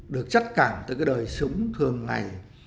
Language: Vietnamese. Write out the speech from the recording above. được chắt cản tới cái đời sống thường ngày